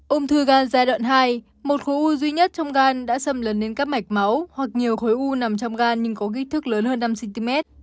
ung thư gan giai đoạn hai một khối u duy nhất trong gan đã xâm lấn đến các mạch máu hoặc nhiều khối u nằm trong gan nhưng có kích thước lớn hơn năm cm